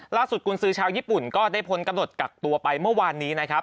ล่าสุดกุญสือชาวญี่ปุ่นก็ได้พ้นกำหนดกักตัวไปเมื่อวานนี้